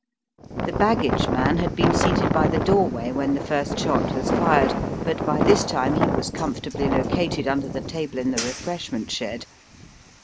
The baggage man had been seated by the doorway when the first shot was fired, but by this time he was comfortably located under the table in the refreshment shed.